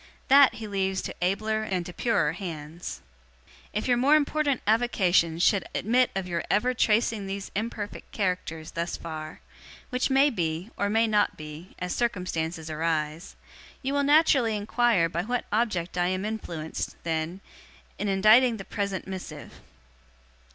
That he leaves to abler and to purer hands. 'If your more important avocations should admit of your ever tracing these imperfect characters thus far which may be, or may not be, as circumstances arise you will naturally inquire by what object am I influenced, then, in inditing the present missive?